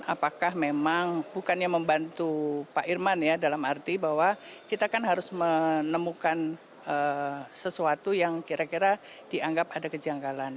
apakah memang bukannya membantu pak irman ya dalam arti bahwa kita kan harus menemukan sesuatu yang kira kira dianggap ada kejanggalan